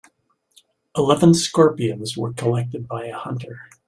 Eleven scorpions were collected by a hunter.